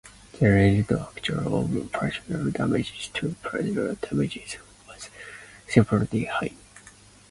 The ratio of actual or potential damages to punitive damages was suspiciously high.